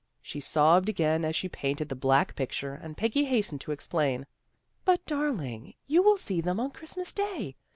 She sobbed again as she painted the black picture, and Peggy hastened to explain, " But, darling, you will see them on Christmas day.